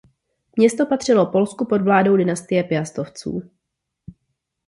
Město patřilo Polsku pod vládou dynastie Piastovců.